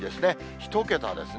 １桁ですね。